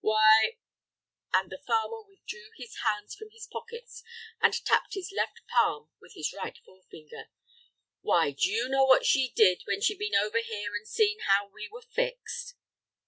Why—" and the farmer withdrew his hands from his pockets and tapped his left palm with his right forefinger—"why, d'you know what she did when she'd been over here and seen how we were fixed?"